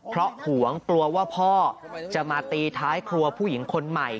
เพราะหวงกลัวว่าพ่อจะมาตีท้ายครัวผู้หญิงคนใหม่